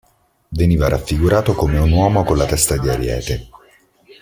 Veniva raffigurato come un uomo con la testa di ariete.